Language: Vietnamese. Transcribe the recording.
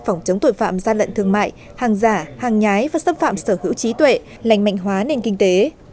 phòng chống tội phạm gian lận thương mại hàng giả hàng nhái và xâm phạm sở hữu trí tuệ lành mạnh hóa nền kinh tế